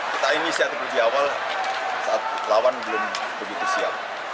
kita ini sihat lebih awal saat lawan belum begitu siap